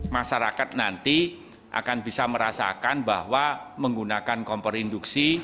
masyarakat nanti akan bisa merasakan bahwa menggunakan kompor induksi